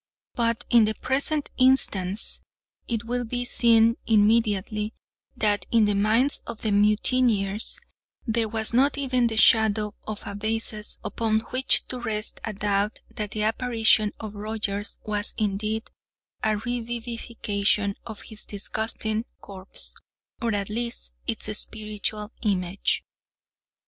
But, in the present instance, it will be seen immediately, that in the minds of the mutineers there was not even the shadow of a basis upon which to rest a doubt that the apparition of Rogers was indeed a revivification of his disgusting corpse, or at least its spiritual image.